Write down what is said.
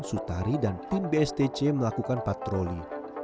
sutari dan tim bstc melakukan patroli